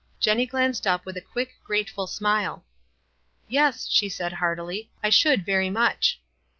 Jenny glanced up with a quick, grateful smile. "Yes," she said, heartily. "I should very much."